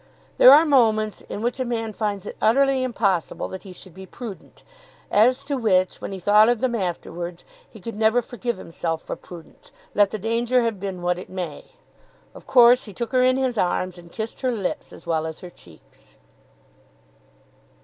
There are moments in which a man finds it utterly impossible that he should be prudent, as to which, when he thought of them afterwards, he could never forgive himself for prudence, let the danger have been what it may. Of course he took her in his arms, and kissed her lips as well as her cheeks.